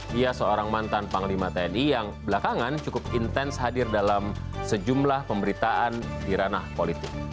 dia seorang mantan panglima tni yang belakangan cukup intens hadir dalam sejumlah pemberitaan di ranah politik